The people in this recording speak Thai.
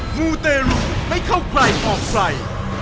มูเตรุไม่เข้าใครออกใคร